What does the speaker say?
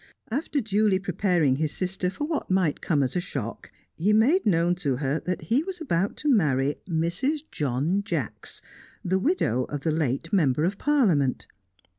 After duly preparing his sister for what might come as a shock, he made known to her that he was about to marry Mrs. John Jacks, the widow of the late member of Parliament.